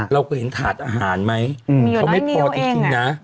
เราเคยเห็นถาดอาหารไหมเขาไม่พอจริงนะ